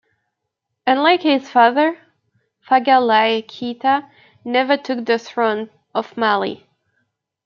Unlike his father, Faga Laye Keita never took the throne of Mali.